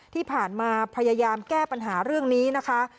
ที่ผ่านมาพยายามแก้ปัญหาเรื่องนี้นะคะ